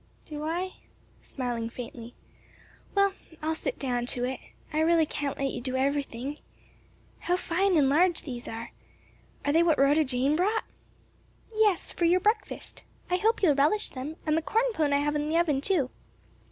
"Do I?" smiling faintly, "well, I'll sit down to it. I really can't let you do everything. How fine and large these are; are they what Rhoda Jane brought?" "Yes; for your breakfast. I hope you'll relish them; and the corn pone I have in the oven, too."